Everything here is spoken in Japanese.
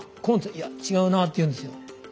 「いや違うな」って言うんですよ。